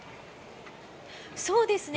そうですね。